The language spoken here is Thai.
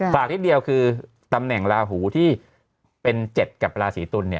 นิดเดียวคือตำแหน่งลาหูที่เป็น๗กับราศีตุลเนี่ย